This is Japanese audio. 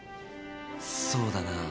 そうだな。